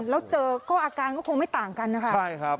แล้วเจอก็อาการก็คงไม่ต่างกันนะคะใช่ครับ